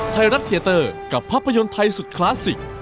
ไทยรัฐเทียเตอร์กับภาพยนตร์ไทยสุดคลาสสิก